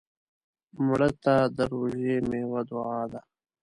مړه ته د روژې میوه دعا ده